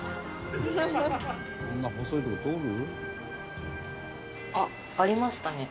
「こんな細い所通る？」